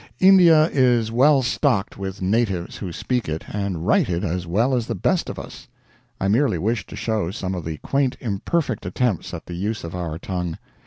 India is well stocked with natives who speak it and write it as well as the best of us. I merely wish to show some of the quaint imperfect attempts at the use of our tongue.